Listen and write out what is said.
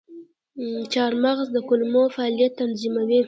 چارمغز د کولمو فعالیت تنظیموي.